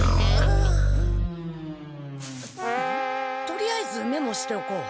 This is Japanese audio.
とりあえずメモしておこう。